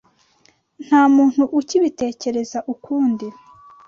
Nta muntu ukibitekereza ukundi.